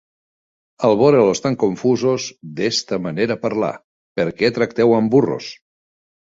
Al vore-los tan confusos, d’esta manera parlà: Per què tracteu amb burros?